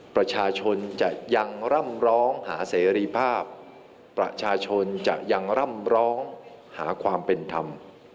ประชาชนจะยังร่ำร้องหาเสรีภาพประชาชนจะยังร่ำร้องหาความเป็นธรรม